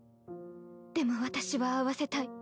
でも私は会わせたい。